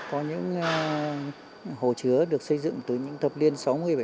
có những hồ chứa được xây dựng từ những thập liên sáu mươi bảy mươi